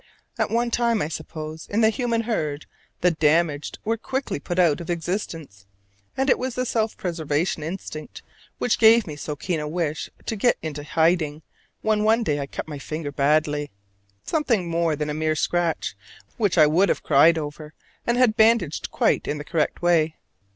At one time, I suppose, in the human herd the damaged were quickly put out of existence; and it was the self preservation instinct which gave me so keen a wish to get into hiding when one day I cut my finger badly something more than a mere scratch, which I would have cried over and had bandaged quite in the correct way.